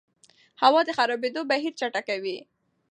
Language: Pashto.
هوا د خرابېدو بهیر چټکوي.